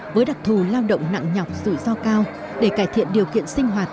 với đặc thù lao động nặng nhọc rủi ro cao để cải thiện điều kiện sinh hoạt